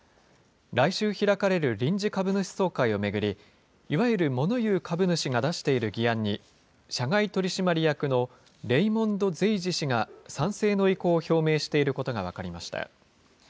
来週開かれる臨時株主総会を巡り、いわゆるモノ言う株主が出している議案に、社外取締役のレイモンド・ゼイジ氏が賛成の意向を表明していることが分かりました。